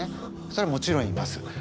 それはもちろんいます。